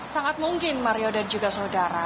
sangat mungkin mario dan juga saudara